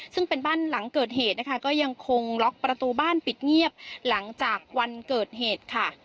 ซึ่งเป็นบ้านหลังเกิดเหตุนะคะก็ยังคงล็อกประตูบ้านปิดเงียบหลังจากวันเกิดเหตุค่ะ